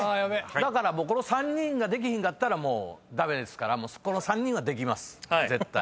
だからこの３人ができひんかったら駄目ですからこの３人はできます絶対。